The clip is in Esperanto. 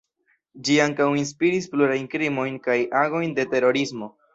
Ĝi ankaŭ inspiris plurajn krimojn kaj agojn de terorismo.